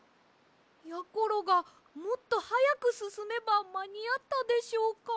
やころがもっとはやくすすめばまにあったでしょうか？